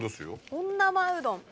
本生うどん。